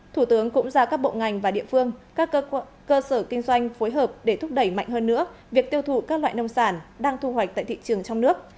thủ tướng cũng ra các bộ ngành và địa phương các cơ sở kinh doanh phối hợp để thúc đẩy mạnh hơn nữa việc tiêu thụ các loại nông sản đang thu hoạch tại thị trường trong nước